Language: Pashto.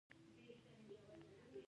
ما هم دا خبره اوریدلې ده